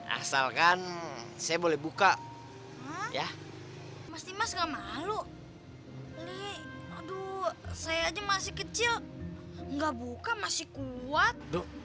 asalkan saya boleh buka ya mas tinas gak malu aduh saya aja masih kecil enggak buka masih kuat